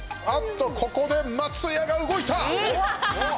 ここで松也が動いた！